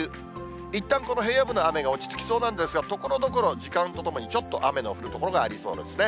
いったんこの平野部の雨が落ち着きそうなんですが、ところどころ、時間とともにちょっと雨の降る所がありそうですね。